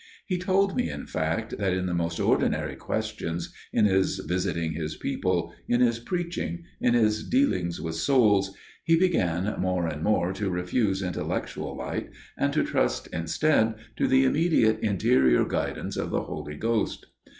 He told me, in fact, that in the most ordinary questions––in his visiting his people––in his preaching––in his dealings with souls––he began more and more to refuse intellectual light, and to trust instead to the immediate interior guidance of the Holy Ghost.